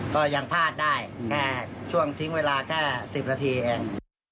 ก็ยังพลาดได้แค่ช่วงทิ้งเวลาแค่๑๐นาทีเอง